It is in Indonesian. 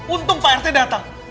untung pak rt datang